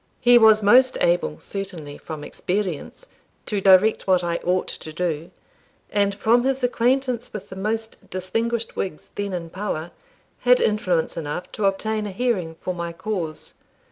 He was most able, certainly, from experience, to direct what I ought to do, and from his acquaintance with the most distinguished Whigs then in power, had influence enough to obtain a hearing for my cause.